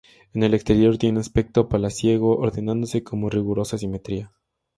En el exterior tiene aspecto palaciego, ordenándose con rigurosa simetría.